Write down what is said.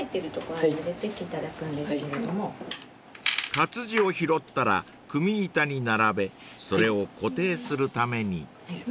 ［活字を拾ったら組み板に並べそれを固定するために］